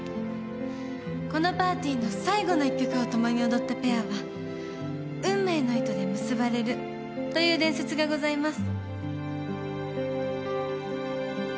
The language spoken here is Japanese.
「このパーティーの最後の１曲を共に踊ったペアは運命の糸で結ばれる」という伝説がございます。